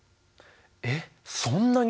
えっそんなに！？